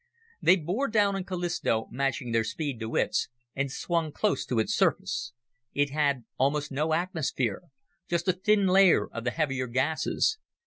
They bore down on Callisto, matching their speed to its, and swung close to its surface. It had almost no atmosphere, just a thin layer of the heavier gases.